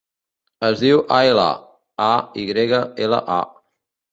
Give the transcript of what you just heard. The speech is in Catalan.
Es diu Ayla: a, i grega, ela, a.